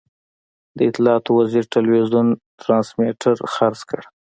د اطلاعاتو وزیر ټلوېزیون ټرانسمیټر خرڅ کړ.